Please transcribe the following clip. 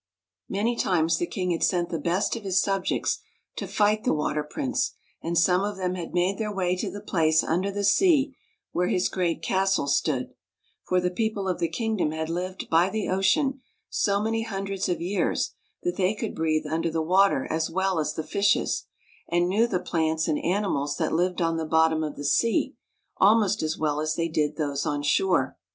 Mafiy times the king had sent the best of his subjects to fight the Water Prince, and some of them had made their way to the place under the sea where his great castle stood; for the people of the kingdom had lived by the ocean so many hundreds of years that they could breathe under the water as well as the fishes, and knew the plants and animals that lived on the bottom of the sea almost as well as they did those on shore.